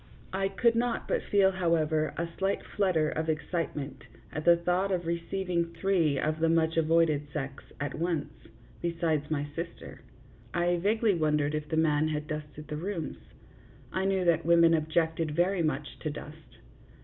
I could not but feel, however, a slight flutter of excitement at the thought of receiving three of the much avoided sex at once, besides my sister. I vaguely wondered if the man had dusted the rooms. I knew that women objected very much to dust.